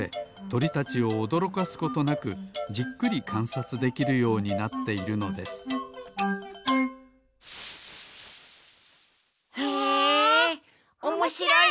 とりたちをおどろかすことなくじっくりかんさつできるようになっているのですへえおもしろい！